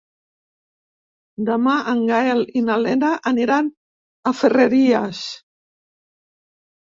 Demà en Gaël i na Lena aniran a Ferreries.